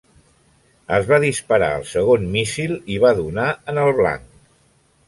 Es va disparar el segon míssil i va donar en el blanc.